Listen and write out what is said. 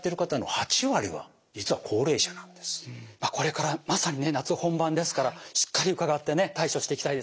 これからまさにね夏本番ですからしっかり伺ってね対処していきたいですね。